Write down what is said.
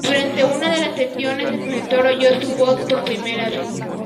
Durante una de las sesiones el profesor oyó su voz por primera vez.